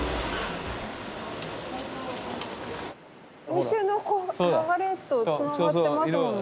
お店の流れとつながってますもんね。